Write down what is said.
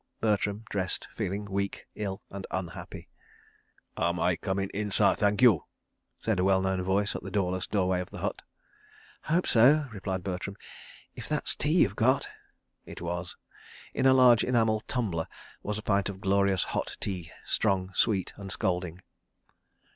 .. Bertram dressed, feeling weak, ill and unhappy. ... "Am I coming in, sah, thank you?" said a well known voice at the doorless doorway of the hut. "Hope so," replied Bertram, "if that's tea you've got." It was. In a large enamel "tumbler" was a pint of glorious hot tea, strong, sweet and scalding.